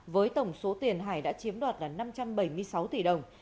với tổng số tiền hải đã chiếm đoạt là năm trăm bảy mươi sáu tỷ đồng